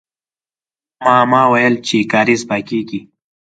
ما، ما ويل چې کارېز پاکيږي.